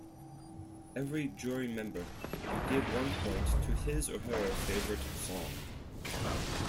Every jury member could give one point to his or her favourite song.